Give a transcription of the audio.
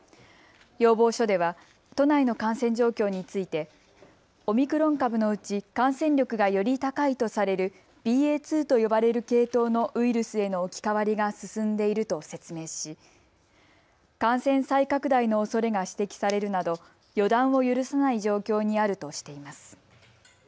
要望書では都内の感染状況についてオミクロン株のうち感染力がより高いとされるＢＡ．２と呼ばれる系統へのウイルスへの置き換わりが進んでいると説明し感染再拡大のおそれが指摘されるなど予断を許さない状況にあるとしています。